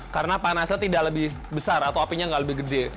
karena panasnya tidak lebih besar atau apinya nggak lebih gede